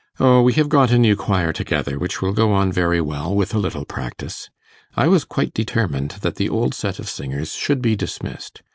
'O, we have got a new choir together, which will go on very well with a little practice. I was quite determined that the old set of singers should be dismissed.